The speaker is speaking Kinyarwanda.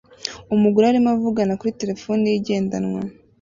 Umugore arimo avugana kuri terefone ye igendanwa